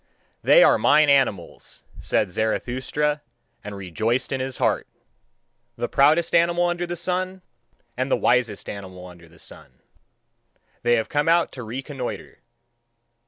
"They are mine animals," said Zarathustra, and rejoiced in his heart. "The proudest animal under the sun, and the wisest animal under the sun, they have come out to reconnoitre.